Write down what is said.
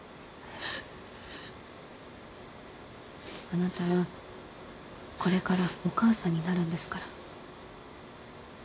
あなたはこれからお母さんになるんですから。